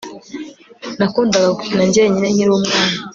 Nakundaga gukina njyenyine nkiri umwana